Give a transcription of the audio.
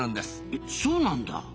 えそうなんだ。